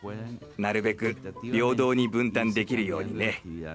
なるべく平等に分担できるようにね。